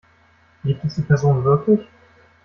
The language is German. Gibt es die Person wirklich?